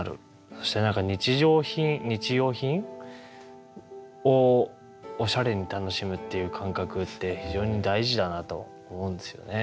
そして日常品日用品をおしゃれに楽しむっていう感覚って非常に大事だなと思うんですよね。